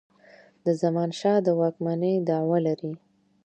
د زمانشاه د واکمنی دعوه لري.